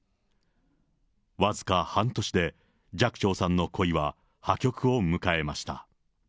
僅か半年で、寂聴さんの恋は破局を迎えました。